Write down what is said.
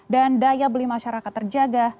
dan daya beli masyarakat terjaga